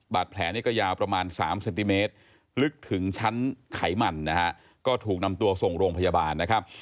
บาดแผลนี่ก็ยาวประมาณ๓เซนติเมตรลึกถึงชั้นไขมันนะฮะก็ถูกนำตัวส่งโรงพยาบาลนะครับ